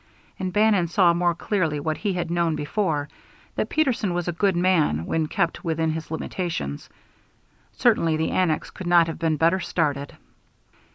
And Bannon saw more clearly what he had known before, that Peterson was a good man when kept within his limitations. Certainly the annex could not have been better started.